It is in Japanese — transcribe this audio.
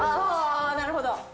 あなるほど。